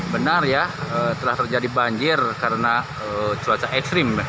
benar ya telah terjadi banjir karena cuaca ekstrim